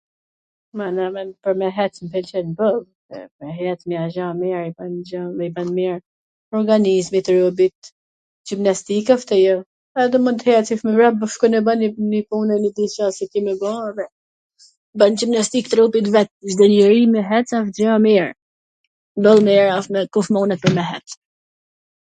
mana, pwr me hec mw pwlqen boll, e hecmja a gja e mir, i bwn mir organizmit, trupit, gjimnastika ... do mun t eci, vrap, shkon e ban njw pun e nji gja si kemi ba, i bwn gjimnastik trupit vet. Cdo njeri me hec wsht gjw e mir, nodh nonj rast kush munet me hec